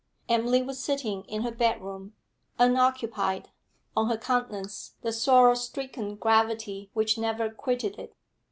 Emily was sitting in her bed room, unoccupied, on her countenance the sorrow stricken gravity which never quitted it.